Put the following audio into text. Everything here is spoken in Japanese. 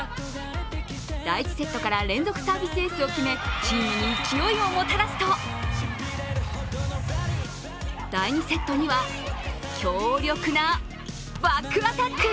第１セットから連続サービスエースを決めチームに勢いをもたらすと第２セットには、強力なバックアタック。